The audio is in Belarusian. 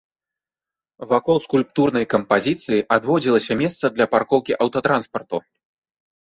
Вакол скульптурнай кампазіцыі адводзілася месца для паркоўкі аўтатранспарту.